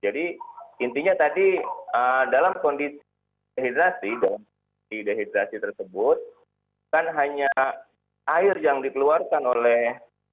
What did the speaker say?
jadi intinya tadi dalam kondisi dehidrasi tersebut kan hanya air yang dikeluarkan oleh